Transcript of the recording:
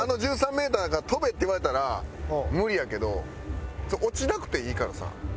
メーターから飛べって言われたら無理やけど落ちなくていいからさ。